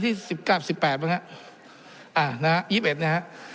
ที่สิบแก้วสิบแปบครับอ่ะอ่านะฮะยีบเอ็ดนะฮะ